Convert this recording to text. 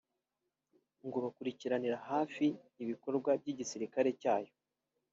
ngo bakurikiranira hafi ibikorwa by’igisirikare cyayo